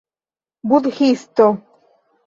budhisto